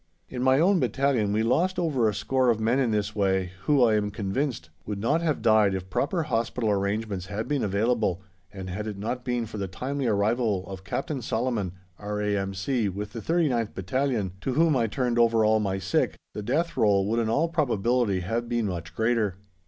In my own battalion we lost over a score of men in this way, who, I am convinced, would not have died if proper hospital arrangements had been available, and had it not been for the timely arrival of Captain Salaman, R.A.M.C., with the 39th Battalion, to whom I turned over all my sick, the death roll would in all probability have been much greater.